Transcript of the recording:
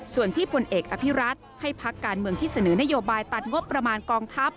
ส่วนที่ผลเอกอภิรัตน์ให้พักการเมืองที่เสนอนโยบายตัดงบประมาณกองทัพ